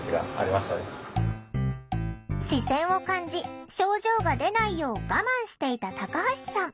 視線を感じ症状が出ないよう我慢していたタカハシさん。